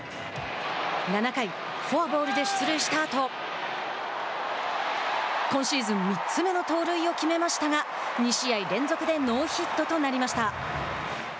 ７回フォアボールで出塁したあと今シーズン３つ目の盗塁を決めましたが２試合連続でノーヒットとなりました。